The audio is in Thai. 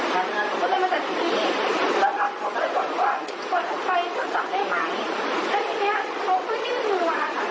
แล้วบอกว่าตอนนี้ใครตำรวจได้ไหมแล้วทีนี้เขาก็ยืนมือวาง